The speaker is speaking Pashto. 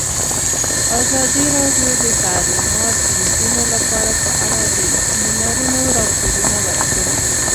ازادي راډیو د تعلیمات د نجونو لپاره په اړه د سیمینارونو راپورونه ورکړي.